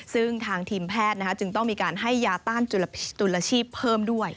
ซึ่งทางทีมแพทย์จึงต้องมีการให้ยาต้านจุลชีพเพิ่มด้วย